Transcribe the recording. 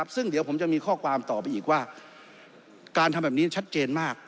ซึ่งผมจะมีข้อความไปกันว่าการทำแบบนี้ชัดเจนมาก